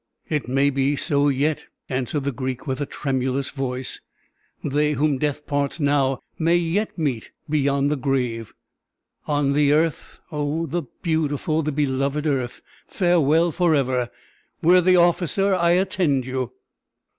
'" "It may be so yet," answered the Greek with a tremulous voice, "They whom death parts now may yet meet beyond the grave; on the earth oh! the beautiful, the beloved earth, farewell for ever! Worthy officer, I attend you."